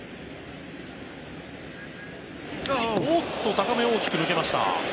高め、大きく抜けました。